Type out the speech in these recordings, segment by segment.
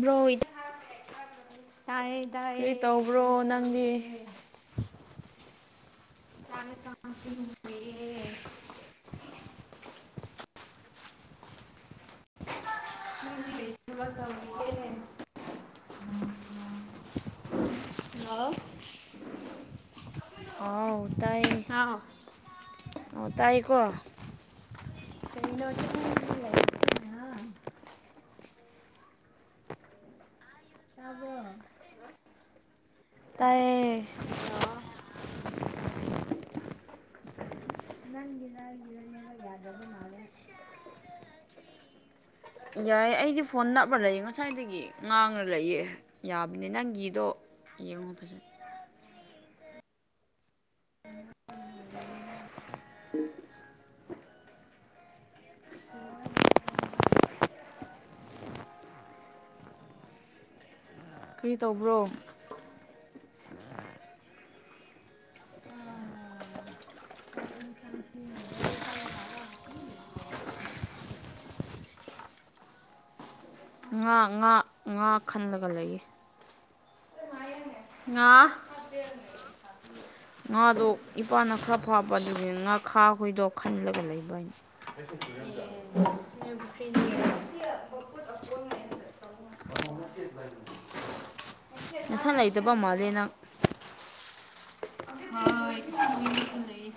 ꯕ꯭ꯔꯣꯏꯗ ꯇꯥꯏꯌꯦ ꯀꯔꯤ ꯇꯥꯏꯌꯦ ꯇꯧꯕ꯭ꯔꯣ ꯀꯩꯗꯧꯔꯤꯒꯦ ꯅꯪꯗꯤ ꯆꯥꯅꯦ [unintelligible] ꯅꯪꯒꯤ ꯂꯩꯅꯕ ꯇꯧꯔꯣ ꯍꯜꯂꯣ ꯍꯥꯎ ꯇꯥꯏ ꯍꯥꯎ ꯑꯣ ꯇꯥꯏꯌꯦꯀꯣ ꯀꯩꯅꯣ ꯆꯠꯅꯤꯡ [unintelligible] ꯇꯥꯕ꯭ꯔꯣ ꯇꯥꯏꯌꯦ ꯅꯪꯒꯤꯔ ꯑꯩꯒꯤꯔ ꯅꯦꯠꯋꯥꯛ ꯌꯥꯗꯕ ꯃꯥꯜꯂꯦ ꯌꯥꯏ ꯑꯩꯗꯤ ꯐꯣꯟ ꯅꯞꯂ ꯂꯩꯌꯦ ꯉꯁꯥꯏꯗꯒꯤ ꯉꯥꯡꯔ ꯂꯩꯌꯦ ꯌꯥꯕꯅꯦ ꯅꯪꯒꯤꯗꯣ ꯌꯦꯡꯉꯣ ꯐꯖꯅ ꯀ꯭ꯔꯤ ꯇꯧꯕ꯭ꯔꯣ ꯉꯥ ꯉꯥ ꯉꯥ ꯈꯜꯂꯒ ꯂꯩꯌꯦ ꯉꯥ ꯉꯥꯗꯣ ꯏꯄꯥꯅ ꯈꯔ ꯐꯥꯕ ꯑꯗꯨꯒꯤ ꯉꯥ ꯈꯥ ꯍꯣꯏꯗꯣ ꯈꯜꯂꯒ ꯂꯩꯕ ꯑꯩꯅ [unintelligible] [unintelligible] [unintelligible] ꯅꯥꯊꯟ ꯂꯩꯇꯕ ꯃꯥꯜꯂꯦ ꯅꯪ ꯍꯣꯏ [unintelligible] ꯍꯣꯏꯁꯨ ꯂꯩꯌꯦ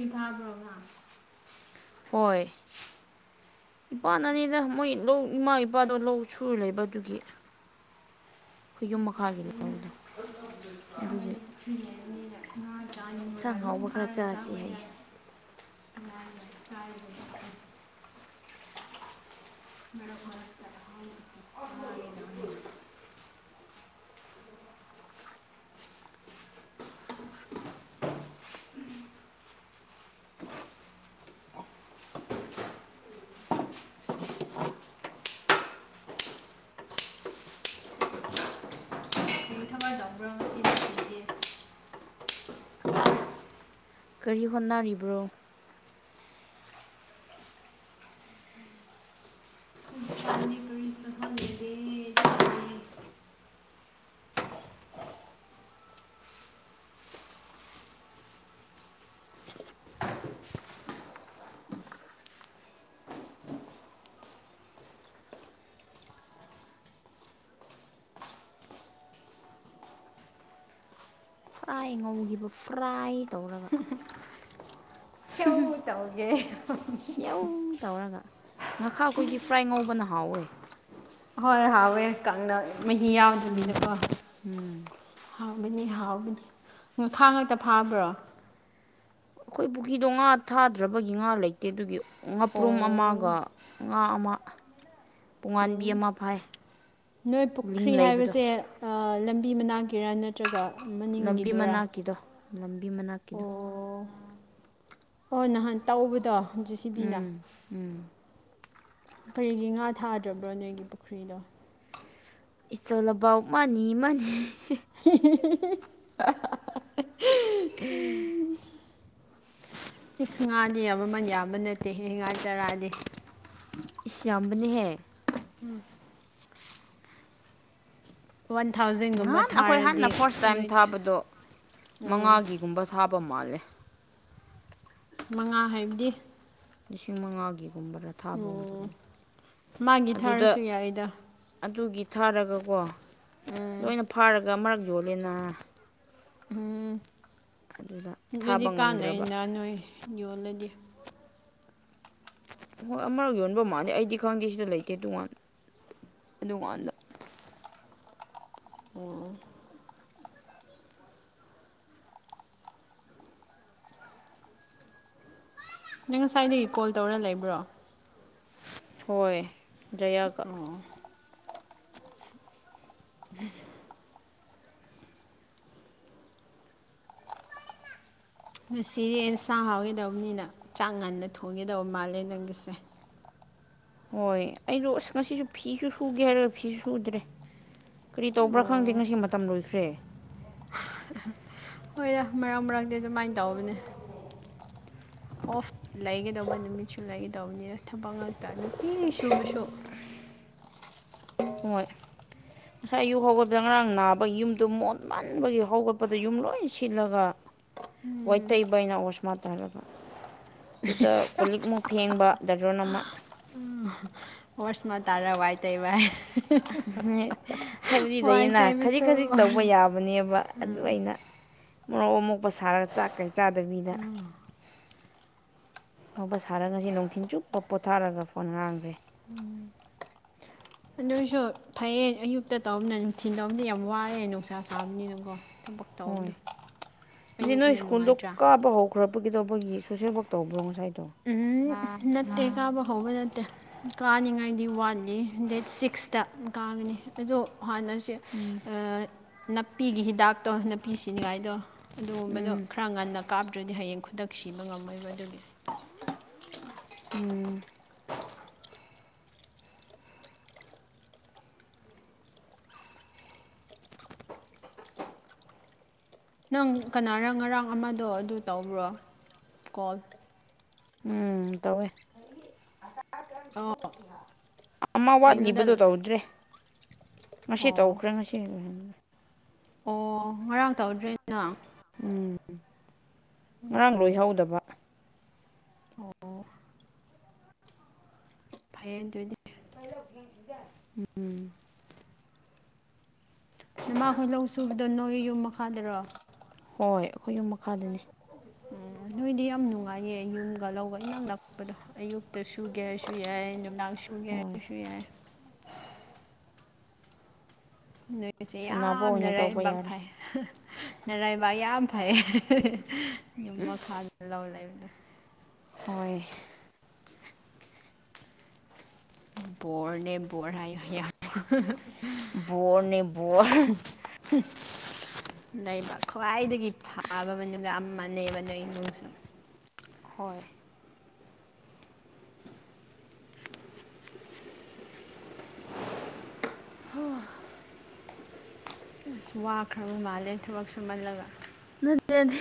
ꯄꯤꯊꯛꯈ꯭ꯔꯕ꯭ꯔ ꯑꯣꯏ ꯏꯄꯥꯅꯅꯤꯗ ꯃꯣꯏ ꯂꯧ ꯏꯃꯥ ꯏꯄꯥꯗꯣ ꯂꯧ ꯁꯨꯔ ꯂꯩꯕ ꯑꯗꯨꯒꯤ ꯈꯣꯏꯌꯨꯝ ꯃꯈꯥꯒꯤ ꯎꯝ ꯂꯧꯗꯣ ꯑꯗꯨꯒꯤ [unintelligible] ꯉꯥ ꯆꯥꯏꯉꯣ ꯏꯟꯁꯥꯡ ꯍꯥꯎꯕ ꯈꯔ ꯆꯥꯁꯤ ꯍꯥꯏꯌꯦ [unintelligible] ꯀꯥꯔꯒ ꯆꯠꯁꯤ ꯃꯔꯛ ꯃꯔꯛꯇ [unintelligible] ꯀꯔꯤ ꯊꯕꯛ ꯇꯧꯕ꯭ꯔꯣ ꯉꯁꯤꯗꯤ ꯁꯟꯗꯦ ꯀꯔꯤ ꯍꯣꯠꯅꯔꯤꯕ꯭ꯔꯣ ꯁꯟꯗꯦ ꯀꯔꯤꯁꯨ ꯍꯣꯂꯤꯗꯦ [unintelligible] ꯐ꯭ꯔꯥꯏ ꯉꯧꯒꯤꯕ ꯐ꯭ꯔꯥꯏ ꯇꯧꯔꯒ ꯆꯧ ꯇꯧꯒꯦ ꯇ꯭ꯌꯧ ꯇꯧꯔꯒ ꯉꯈꯥ ꯈꯣꯏꯗꯤ ꯐ꯭ꯔꯥꯏ ꯉꯧꯕꯅ ꯍꯥꯎꯋꯦ ꯍꯣꯏ ꯍꯥꯎꯋꯦ ꯀꯪꯅ ꯃꯍꯤ ꯌꯥꯎꯗꯕꯤꯗꯀꯣ ꯎꯝ ꯍꯥꯎꯒꯅꯤ ꯍꯥꯎꯒꯅꯤ ꯃꯈꯥ ꯉꯥꯛꯇ ꯐꯥꯕ꯭ꯔꯣ ꯑꯩꯈꯣꯏ ꯄꯨꯈ꯭ꯔꯤꯗꯣ ꯉꯥ ꯊꯥꯗ꯭ꯔꯕꯒꯤ ꯉꯥ ꯂꯩꯇꯦ ꯑꯗꯨꯒꯤ ꯉꯥꯄ꯭ꯔꯨꯝ ꯑꯣ ꯑꯃꯒ ꯉꯥ ꯑꯃ ꯄꯨꯡꯉꯥꯥꯟꯕꯤ ꯎꯝ ꯑꯃ ꯐꯥꯏ ꯅꯣꯏ ꯂꯤꯡ ꯄꯨꯈ꯭ꯔꯤ ꯂꯩꯕꯗꯣ ꯍꯥꯏꯕꯁꯦ ꯑꯥ ꯂꯝꯕꯤ ꯃꯅꯥꯛꯀꯤꯔꯥ ꯅꯠꯇ꯭ꯔꯒ ꯃꯅꯤꯡꯒꯤꯗꯨꯔꯥ ꯀꯤꯗꯣ ꯂꯝꯕꯤ ꯃꯅꯥꯛꯀꯤꯗꯣ ꯑꯣ ꯍꯣꯏ ꯅꯍꯥꯟ ꯇꯧꯕꯗꯣ ꯖꯦ ꯁꯤ ꯕꯤꯅ ꯎꯝ ꯎꯝ ꯀꯔꯤꯒꯤ ꯉꯥ ꯊꯥꯗ꯭ꯔꯕ꯭ꯔꯣ ꯅꯣꯏꯒꯤ ꯄꯨꯈ꯭ꯔꯤꯗꯣ ꯏꯆꯣꯜ ꯑꯕꯎ ꯃꯥꯅꯤ ꯃꯥꯅꯤ [unintelligible] ꯑꯦ ꯏꯁ ꯉꯥꯗꯤ ꯌꯥꯝꯃꯟ ꯌꯥꯝꯕ ꯅꯠꯇꯦ ꯍꯦ ꯉꯥ ꯆꯔꯥꯗꯤ ꯏꯁ ꯌꯥꯝꯕꯅꯦꯍꯦ [inaudible] ꯋꯥꯟ ꯊꯥꯎꯖꯟ ꯉꯍꯥꯟ ꯑꯩꯈꯣꯏ ꯍꯥꯟꯅ ꯐꯥꯔꯁ ꯇꯥꯏꯝ ꯊꯥꯕꯗꯣ ꯎꯝ ꯃꯉꯥꯒꯤꯒꯨꯝꯕ ꯊꯥꯕ ꯃꯥꯜꯂꯦ ꯃꯉꯥ ꯍꯥꯏꯕꯗꯤ ꯂꯤꯁꯤꯡ ꯃꯉꯥꯒꯤꯒꯨꯝꯕꯔꯥ ꯊꯥꯕ ꯎꯝ ꯃꯥꯒꯤ ꯑꯗꯨꯗ ꯊꯥꯔꯁꯨ ꯌꯥꯏꯗ ꯑꯗꯨꯒꯤ ꯊꯥꯔꯒꯀꯣ ꯎꯝ ꯂꯣꯏꯅ ꯐꯥꯔꯒ ꯃꯔꯛ ꯌꯣꯜꯂꯦꯅ ꯎꯝ ꯑꯗꯨꯗ ꯑꯗꯨꯗꯤ ꯊꯥꯕ ꯉꯝꯗ꯭ꯔꯕ ꯀꯥꯟꯅꯩꯅ ꯅꯣꯏ ꯌꯣꯜꯂꯗꯤ ꯍꯣꯏ ꯑꯃꯔꯛ ꯌꯣꯟꯕ ꯃꯥꯂꯦ ꯑꯩꯗꯤ ꯈꯪꯗꯦ ꯁꯤꯗ ꯂꯩꯇꯦ ꯇꯣꯉꯥꯟ ꯑꯗꯨꯀꯥꯟꯗ [inaudible] ꯅꯪ ꯉꯥꯁꯥꯏꯗꯒꯤ ꯀꯣꯜ ꯇꯧꯔ ꯂꯩꯕ꯭ꯔꯣ ꯍꯣꯏ ꯖꯥꯌꯥ ꯒꯥ ꯑꯣ [inaudible] ꯉꯁꯤ ꯌꯦꯟ ꯁꯥꯡ ꯍꯥꯎꯏꯗꯧꯅꯤꯅ ꯆꯥꯛ ꯉꯟꯅ ꯊꯣꯡꯒꯤꯗꯧ ꯃꯥꯜꯂꯦ ꯅꯪꯒꯤꯁꯦ ꯍꯣꯏ ꯑꯩꯗꯣ ꯑꯁ ꯉꯁꯤꯁꯨ ꯐꯤꯁꯨ ꯁꯨꯒꯦ ꯍꯥꯏꯔ ꯐꯤꯁꯨ ꯁꯨꯗ꯭ꯔꯦ ꯀꯔꯤ ꯇꯧꯕ꯭ꯔꯥ ꯈꯪꯗꯦ ꯑꯣ ꯉꯁꯤ ꯃꯇꯝ ꯂꯣꯏꯈ꯭ꯔꯦ ꯍꯣꯏꯔ ꯃꯔꯛ ꯃꯔꯪꯛꯇ ꯑꯗꯨꯃꯥꯏꯅ ꯇꯧꯕꯅꯦ ꯑꯣꯐ ꯂꯩꯒꯗꯧꯕ ꯅꯨꯃꯤꯠꯁꯨ ꯂꯩꯒꯗꯧꯕꯅꯤꯅ ꯊꯕꯛ ꯉꯥꯛꯇ ꯅꯨꯡꯇꯤ ꯁꯨꯕꯁꯨ ꯍꯣꯏ ꯉꯁꯥꯏ ꯑꯌꯨ ꯍꯧꯒꯠꯄꯗ ꯉꯔꯥꯡ ꯅꯥꯕꯒꯤ ꯌꯨꯝꯗꯣ ꯃꯣꯟꯃꯟꯕꯒꯤ ꯍꯧꯒꯠꯄꯗ ꯌꯨꯝ ꯂꯣꯏ ꯁꯤꯜꯂꯒ ꯋꯥꯏ ꯇꯩꯕꯩꯅ ꯑꯣꯁꯃꯥ [unintelligible] ꯑꯗꯨꯗ ꯀꯣꯂꯤꯛꯃꯨꯛ ꯐꯦꯡꯕ ꯗꯔꯖ꯭ꯔꯣꯟ ꯑꯃ [unintelligible] ꯍꯣꯔꯁꯃ ꯇꯥꯔ ꯋꯥꯏ ꯇꯩꯕ [unintelligible] [unintelligible] ꯍꯥꯏꯕꯗꯤ ꯋꯥꯏ ꯂꯩꯌꯦꯅ ꯈꯖꯤꯛ ꯇꯩꯕꯁꯨ ꯈꯖꯤꯛ ꯇꯧꯕ ꯌꯥꯕꯅꯦꯕ ꯑꯗꯨ ꯑꯩꯅ ꯃꯣꯔꯣꯛ ꯑꯃꯣꯛꯄ ꯁꯥꯔꯒ ꯆꯥꯛ ꯀꯩ ꯆꯥꯗꯕꯤꯗ ꯑꯕ ꯁꯥꯔꯒ ꯉꯥꯁꯤ ꯅꯨꯡꯊꯤꯟ ꯆꯨꯞꯄ ꯄꯣꯊꯥꯔꯒ ꯐꯣꯟ ꯉꯥꯡꯈ꯭ꯔꯦ ꯑꯗꯨꯏꯁꯨ ꯐꯩꯌꯦꯡ ꯑꯌꯨꯛꯇ ꯇꯧꯅꯤꯅ ꯅꯨꯡꯊꯤꯟ ꯇꯧꯕꯅꯤ ꯌꯥꯝ ꯋꯥꯑꯦ ꯅꯨꯡꯁꯥ ꯁꯥꯕꯅꯤꯅꯀꯣ ꯊꯕꯛ ꯇꯧꯕꯗꯣ ꯍꯣꯏ [unintelligible] ꯅꯣꯏ ꯑꯌꯨꯛꯅ ꯁ꯭ꯀꯨꯜꯗꯣ ꯅꯨꯡꯉꯥꯏꯇ꯭ꯔꯥ ꯀꯥꯕ ꯍꯧ [unintelligible] ꯁꯣꯁꯦꯜ ꯋꯥꯛ ꯇꯧꯕ꯭ꯔꯣ ꯉꯁꯥꯏꯗꯣ ꯎꯝ ꯅꯠꯇꯦ ꯀꯥꯕ ꯍꯧꯕ ꯅꯠꯇꯦ ꯀꯥꯅꯤꯡꯉꯥꯏꯗꯤ ꯋꯥꯠꯂꯤ ꯗꯦꯠ ꯁꯤꯛꯁꯇ ꯀꯥꯒꯅꯤ ꯑꯗꯣ ꯍꯥꯟꯅꯁꯦ ꯑ ꯅꯥꯄꯤꯒꯤ ꯍꯤꯗꯥꯛꯇꯣ ꯅꯥꯄꯤ ꯁꯤꯅꯤꯡꯉꯥꯏꯗꯣ ꯑꯗꯨꯒꯨꯝꯕꯗꯣ ꯎꯝ ꯈꯔ ꯉꯟꯅ ꯀꯥꯞꯇ꯭ꯔꯗꯤ ꯍꯌꯦꯡ ꯈꯨꯗꯛ ꯁꯤꯕ ꯉꯝꯃꯣꯏꯕ ꯑꯗꯨꯒꯤ ꯎꯝ ꯅꯪ ꯀꯅꯥꯔ ꯉꯔꯥꯡ ꯑꯃꯗꯣ ꯑꯗꯨ ꯇꯧꯕ꯭ꯔꯣ ꯀꯣꯜ ꯎꯝ ꯇꯧꯋꯦ ꯑꯣ ꯑꯃ ꯀꯩꯅꯣꯗ ꯋꯥꯠꯂꯤꯕꯗꯣ ꯇꯧꯗ꯭ꯔꯦ ꯉꯁꯤ ꯑꯣ ꯇꯧꯈ꯭ꯔꯦ ꯉꯁꯤ ꯑꯣ ꯉꯔꯥꯡ ꯇꯧꯗ꯭ꯔꯦ ꯅꯪ ꯎꯝ ꯉꯔꯥꯡ ꯎꯝ ꯂꯣꯏꯍꯧꯗꯕ ꯑꯣ ꯐꯩꯌꯦ ꯑꯗꯨꯗꯤ [unintelligible] ꯅꯃꯥꯈꯣꯏ ꯂꯧ ꯁꯨꯕꯗꯣ ꯅꯣꯏ ꯌꯨꯝ ꯃꯈꯥꯗꯔꯣ ꯍꯣꯏ ꯑꯩꯈꯣꯏ ꯌꯨꯝ ꯃꯈꯥꯗꯅꯤ ꯎꯝ ꯅꯣꯏꯗꯤ ꯌꯥꯝ ꯅꯨꯡꯉꯥꯏꯌꯦ ꯌꯨꯝꯒ ꯂꯧꯒ ꯏꯅꯛ ꯅꯛꯄꯗꯣ ꯑꯌꯨꯛꯇ ꯁꯨꯒꯦꯁꯨ ꯌꯥꯏ ꯅꯨꯃꯤꯗꯥꯡ ꯁꯨ ꯁꯨꯒꯦ ꯍꯣꯏ ꯍꯥꯏꯔꯁꯨ ꯌꯥꯏ ꯅꯣꯏꯁꯦ ꯁꯥꯟꯅꯕ ꯌꯥꯝ ꯑꯣꯏꯅ ꯇꯧꯕ ꯅꯔꯥꯏꯕꯥꯛ ꯌꯥꯔꯦ ꯐꯩ ꯅꯔꯥꯏꯕꯥꯛ ꯌꯥꯝ ꯐꯩ ꯌꯨꯝ ꯃꯈꯥꯗ ꯂꯧ ꯂꯩꯕꯗꯣ ꯍꯣꯏ ꯕꯣꯔꯅꯦ ꯕꯣꯔ ꯍꯥꯏꯌꯣ ꯍꯥꯏ ꯌꯥꯝ ꯕꯣꯔꯅꯤ ꯕꯣꯔ [unintelligible] ꯂꯩꯕ ꯈ꯭ꯋꯥꯏꯗꯒꯤ ꯐꯕ ꯃꯅꯨꯡꯗ ꯑꯃꯅꯦꯕ ꯅꯣꯏ ꯏꯃꯨꯡꯁꯨ ꯍꯣꯏ ꯑꯁ ꯋꯥꯈ꯭ꯔꯕ ꯃꯥꯜꯂꯦ ꯊꯕꯛ ꯁꯨꯃꯜꯂꯒ ꯅꯠꯇꯦ ꯅ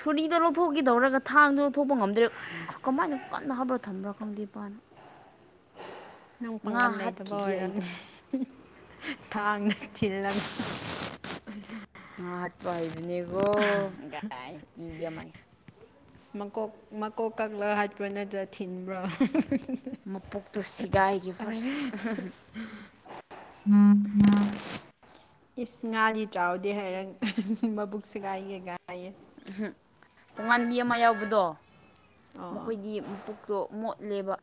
ꯁꯨꯔꯤꯗꯣ ꯂꯧꯊꯣꯛꯀꯦ ꯗꯧꯔꯒ ꯊꯥꯡꯗꯨ ꯂꯧꯊꯣꯛꯄ ꯉꯝꯗ꯭ꯔꯦ ꯑ ꯀꯃꯥꯏꯅ ꯀꯟꯅ ꯍꯥꯞꯄ꯭ꯔꯥ ꯊꯝꯕ꯭ꯔꯥ ꯈꯪꯗꯦ ꯏꯄꯥꯅ ꯅꯪ ꯉꯥ ꯄꯥꯡꯒꯜ ꯂꯩꯇꯕ ꯍꯥꯠꯈꯤꯒꯦ ꯑꯩꯗꯣ ꯑꯣꯏꯔꯝꯅꯤ ꯊꯥꯡꯅ ꯊꯤꯜꯂꯝꯃꯤ ꯉ ꯍꯥꯠꯄ ꯍꯥꯏꯕꯅꯦꯀꯣ ꯒꯥꯏ [unintelligible] ꯃꯀꯣꯛ ꯃꯀꯣꯛ ꯀꯛꯂꯒ ꯍꯥꯠꯄ꯭ꯔꯥ ꯅꯠꯇ꯭ꯔꯥ ꯊꯤꯟꯕ꯭ꯔꯣ ꯃꯄꯣꯛꯇꯨ ꯁꯤꯒꯥꯏꯒꯤ ꯐꯥꯔ꯭ꯁ [unintelligible] ꯏꯁ ꯉꯥꯗꯤ ꯆꯥꯎꯗꯦ ꯍꯥꯏꯔ ꯃꯕꯨꯛ ꯁꯤꯒꯥꯏ ꯒꯦ ꯒꯥꯏꯌꯦ ꯎꯝ ꯇꯨꯉꯥꯟꯕꯤ ꯑꯃ ꯌꯥꯎꯕꯗꯣ ꯑꯣ ꯃꯈꯣꯏꯒꯤ ꯄꯨꯛꯇꯣ ꯃꯣꯠꯂꯦꯕ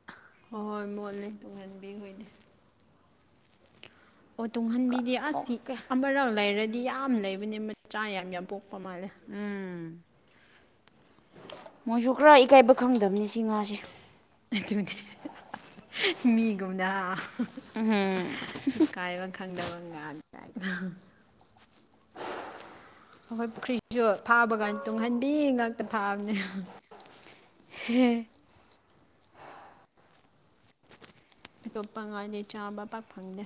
ꯍꯣꯏ ꯍꯣꯏ ꯃꯣꯠꯂꯤ ꯇꯨꯡꯍꯟꯕꯤꯈꯣꯏꯗꯤ ꯑꯣ ꯇꯨꯡꯍꯟꯕꯤꯗꯤ ꯑꯁ ꯀꯠꯊꯣꯛꯀꯦ ꯑꯃꯔꯛ ꯂꯩꯔꯗꯤ ꯌꯥꯝ ꯂꯩꯕꯅꯦ ꯃꯆꯥ ꯌꯥꯝ ꯌꯥꯝ ꯄꯣꯛꯄ ꯃꯥꯜꯂꯦ ꯎꯝ ꯃꯣꯏꯁꯨ ꯈꯔ ꯏꯀꯥꯏꯕ ꯈꯪꯗꯕꯅꯤ ꯁꯤ ꯉꯥꯁꯦ ꯑꯗꯨꯅꯦ ꯃꯤꯒꯨꯝꯅꯥ ꯍꯥ [unintelligible] ꯈꯪꯗꯕ ꯉ [unintelligible] ꯑꯩꯈꯣꯏ ꯄꯨꯈ꯭ꯔꯤꯁꯨ ꯐꯥꯕ ꯀꯥꯟ ꯇꯨꯡꯍꯟꯕꯤ ꯉꯥꯛꯇ ꯐꯥꯕꯅꯦ ꯍꯦ ꯍꯦ ꯑꯇꯣꯞꯄ ꯉꯥꯗꯤ ꯆꯥꯕ ꯄꯥꯛ ꯐꯪꯗꯦ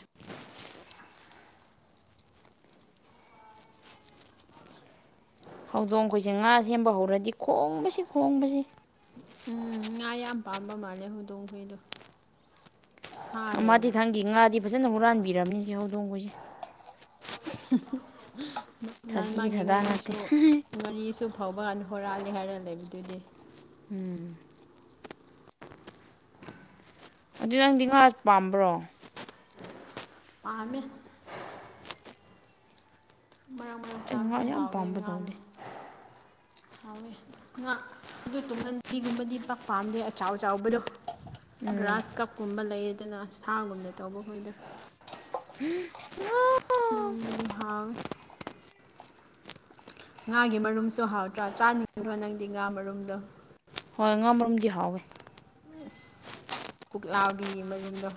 [inaudible] ꯍꯧꯗꯣꯡ ꯈꯣꯏꯁꯦ ꯉꯥ ꯁꯦꯝꯕ ꯍꯧꯔꯗꯤ ꯈꯣꯡꯕꯁꯤ ꯈꯣꯡꯕꯁꯤ ꯎꯝ ꯉꯥ ꯌꯥꯝ ꯄꯥꯝꯕ ꯃꯥꯜꯂꯦ ꯍꯧꯗꯣꯡꯈꯩꯗꯣ ꯑꯃꯗꯤ ꯊꯪꯒꯤ ꯉꯥꯗꯤ ꯐꯖꯅ ꯍꯨꯔꯥꯟꯕꯤꯔꯕꯅꯤ ꯁꯤ ꯍꯧꯗꯣꯡꯍꯣꯏꯁꯦ [unintelligible] ꯊꯥꯗꯤ ꯃꯥꯒꯤ ꯊꯥꯗꯥ ꯅꯠꯇꯦ ꯉꯥꯔꯤꯁꯨ ꯉꯥꯔꯤꯁꯨ ꯐꯥꯎꯕ ꯍꯣꯔꯥꯜꯂꯦ ꯍꯥꯏꯔ ꯂꯩꯕꯗꯨꯗꯤ ꯎꯝ ꯑꯗꯨ ꯅꯪꯗꯤ ꯉꯥꯥꯁ ꯄꯥꯝꯕ꯭ꯔꯣ ꯄꯥꯝꯃꯦ ꯃꯔꯥꯡ ꯃꯔꯥꯡ ꯑꯩ ꯉꯥ ꯆꯥꯕꯗꯣ ꯌꯥꯝ ꯍꯥꯎꯋꯦ ꯄꯥꯝꯕ ꯉꯥꯅ ꯇꯧꯗꯦ ꯍꯥꯎꯋꯦ ꯉꯥ ꯑꯗꯨ ꯇꯨꯡꯍꯟꯕꯤꯒꯨꯝꯕꯗꯤ ꯄꯥꯛ ꯄꯥꯝꯗꯦ ꯑꯆꯥꯎ ꯆꯥꯎꯕꯗꯣ ꯒ꯭ꯔꯥꯁ ꯀꯞꯀꯨꯝꯕ ꯂꯩꯌꯦꯗꯅ ꯁꯥꯒꯨꯝꯅ ꯇꯧꯕ ꯈꯣꯏꯗꯣ [unintelligible] ꯅꯣꯡꯃꯅꯤ ꯍꯥꯎꯋꯦ ꯉꯥꯒꯤ ꯃꯔꯨꯝꯁꯨ ꯍꯥꯎꯇ꯭ꯔꯥ ꯆꯥꯅꯤꯡꯗ꯭ꯔꯣ ꯅꯪꯗꯤ ꯉꯥ ꯃꯔꯨꯝꯗꯣ ꯍꯣꯏ ꯉꯥ ꯃꯔꯨꯝꯗꯤ ꯍꯥꯎꯋꯦ ꯑꯁ ꯄꯨꯛꯂꯥꯕꯤꯒꯤ ꯃꯔꯨꯝꯗꯣ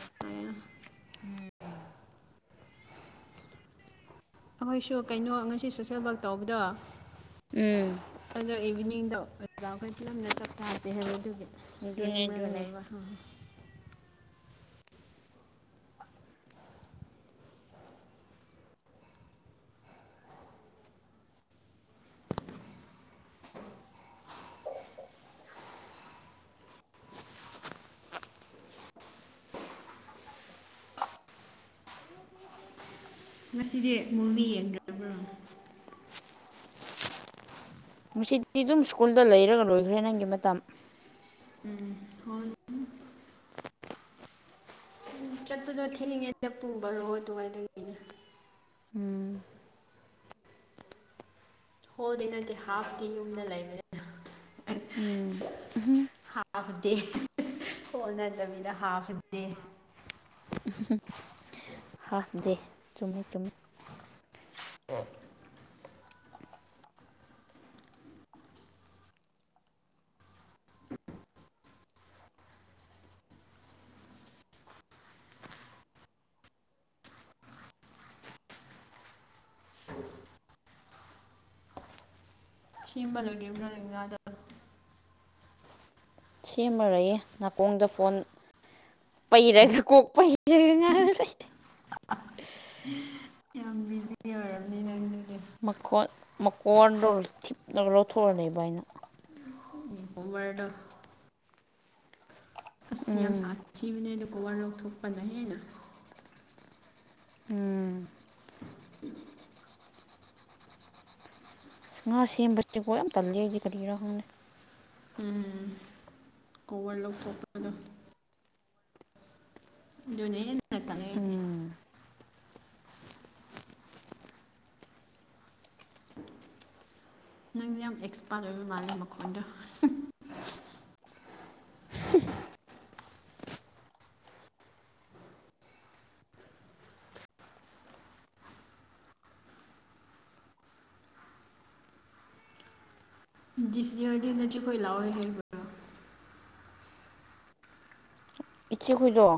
ꯑꯩꯈꯣꯏꯁꯨ ꯀꯩꯅꯣ ꯉꯁꯤ ꯁꯣꯁꯦꯜ ꯋꯥꯔꯛ ꯇꯧꯕꯗꯣ ꯎꯝ ꯑꯗꯣ ꯏꯚꯤꯅꯤꯡꯗꯣ ꯑꯣꯖꯥ ꯑꯈꯣꯏ ꯄꯨꯂꯞꯅ ꯆꯥꯛ ꯆꯥꯁꯦ ꯍꯥꯏꯕ ꯑꯗꯨꯒꯤ ꯑꯗꯨꯅꯦ ꯁꯦꯝꯔꯒ ꯑꯗꯨꯅꯦ ꯂꯩꯕ [unintelligible] ꯉꯁꯤꯗꯤ ꯃꯨꯕꯤ ꯌꯦꯡꯗ꯭ꯔꯕ꯭ꯔꯣ ꯉꯁꯤꯗꯤ ꯑꯗꯨꯝ ꯁ꯭ꯀꯨꯜꯗ ꯂꯩꯔꯒ ꯂꯣꯏꯈ꯭ꯔꯦ ꯅꯪꯒꯤ ꯃꯇꯝ ꯎꯝ ꯍꯣꯏ ꯎꯝ ꯆꯠꯄꯗꯣ ꯊꯦꯡꯉꯩꯗ ꯄꯨꯡ ꯕꯥꯔꯣ ꯑꯗꯨꯋꯥꯏꯗꯒꯤꯅꯦ ꯎꯝ ꯍꯣꯜꯗꯤ ꯅꯠꯇꯦ ꯍꯥꯐꯇꯤ ꯌꯨꯝꯗ ꯂꯩꯕꯅꯦ ꯎꯝ ꯍꯥꯐ ꯗꯦ ꯍꯣꯟ ꯅꯠꯇꯕꯤꯗ ꯍꯥꯐ ꯗꯦ ꯍꯥꯐ ꯗꯦ ꯆꯨꯝꯃꯤ ꯆꯨꯝꯃꯤ ꯁꯦꯝꯕ ꯂꯣꯏꯗ꯭ꯔꯤꯕ꯭ꯔꯥ ꯅꯣꯏ ꯉꯥꯗꯣ ꯁꯦꯝꯃꯔꯣꯏꯌꯦ ꯅꯥꯀꯣꯡꯗ ꯐꯣꯟ ꯄꯩꯔꯒ ꯀꯣꯛ ꯄꯩꯔꯒ ꯉꯥꯏꯔ ꯂꯩ [unintelligible] ꯌꯥꯝ ꯕꯤꯖꯤ ꯖꯤ ꯑꯣꯏꯔꯝꯅꯤ ꯅꯪꯗꯨꯗꯤ ꯃꯈꯣꯠ ꯃꯀꯣꯟꯗꯣ ꯊꯤꯞꯂꯒ ꯂꯧꯊꯣꯛꯑ ꯂꯩꯕ ꯑꯩꯅ ꯎꯝ ꯀꯣꯕꯔꯗꯣ ꯑꯁ ꯌꯥꯝ ꯎꯝ ꯁꯥꯊꯤꯕꯅꯦꯗ ꯀꯣꯕꯔ ꯂꯧꯊꯣꯛꯄꯅ ꯍꯦꯟꯅ ꯎꯝ ꯑꯁ ꯉꯥ ꯁꯦꯝꯕꯁꯦꯀꯣ ꯌꯥꯝ ꯇꯜꯂꯦ ꯑꯩꯗꯤ ꯀꯔꯤꯒꯤꯔꯥ ꯈꯪꯗꯦ ꯎꯝ ꯀꯣꯕꯔ ꯂꯧꯊꯣꯛꯄꯗꯣ ꯑꯗꯨꯅ ꯍꯦꯟ ꯎꯝ ꯅꯪꯗꯤ ꯌꯥꯝ ꯑꯦꯛꯁꯄꯥꯔꯠ ꯑꯣꯏꯕ ꯃꯥꯜꯂꯦ ꯃꯈꯣꯟꯗꯣ ꯗꯤꯁ ꯌꯔꯗꯤꯅꯆꯦꯈꯣꯏ ꯂꯥꯛꯑꯣꯏ ꯍꯥꯏꯕ꯭ꯔꯥ ꯏꯆꯈꯣꯏꯗꯣ